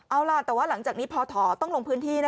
เอาล่ะแต่ว่าหลังจากนี้พอถอต้องลงพื้นที่